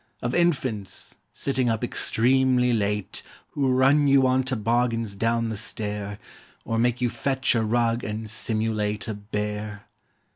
Of infants, sitting up extremely late, Who run you on toboggans down the stair; Or make you fetch a rug and simulate A bear.